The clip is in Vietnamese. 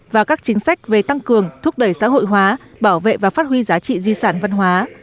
và các chính sách về tăng cường thúc đẩy xã hội hóa bảo vệ và phát huy giá trị di sản văn hóa